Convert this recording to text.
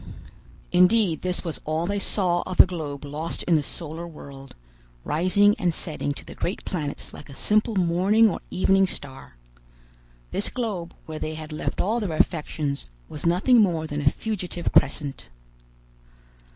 Indeed this was all they saw of the globe lost in the solar world, rising and setting to the great planets like a simple morning or evening star! This globe, where they had left all their affections, was nothing more than a fugitive crescent!